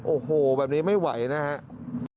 โอ้โหแบบนี้ไม่ไหวนะครับ